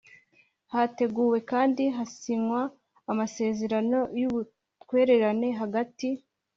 Hateguwe kandi hasinywa amasezerano y ubutwererane hagati